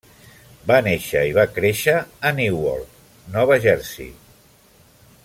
Va néixer i va créixer a Newark, Nova Jersey.